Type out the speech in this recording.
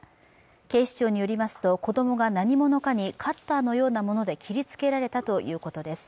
警視庁によりますと、子供が何者かにカッターのようなもので切りつけられたということです。